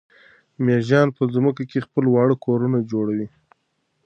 مېږیان په ځمکه کې خپل واړه کورونه جوړوي.